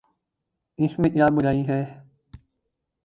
اس میں کیا برائی ہے؟